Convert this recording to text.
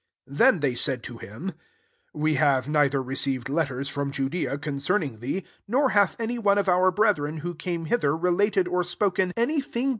21 Then they said to him, " We have neither received letters from Judea concerning thee, nor hath any one of our brethren, who came hither relat ed or spoken any thing bad of